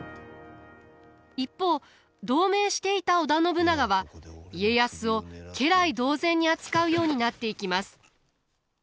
一方同盟していた織田信長は家康を家来同然に扱うようになっていきます。